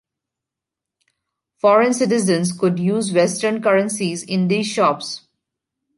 Foreign citizens could use western currencies in these shops.